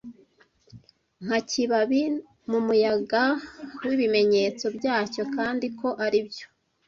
nka kibabi mumuyaga wibimenyetso byacyo kandi ko aribyo